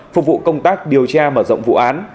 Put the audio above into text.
phục vụ công tác điều tra mở rộng vụ án